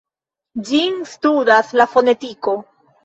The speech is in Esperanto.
Ĝin studas la fonetiko.